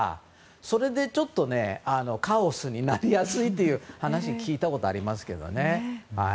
それでカオスになりやすいという話を聞いたことがあります。